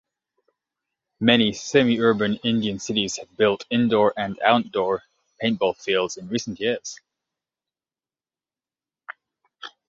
Many semi-urban Indian cities have built indoor and outdoor paintball fields in recent years.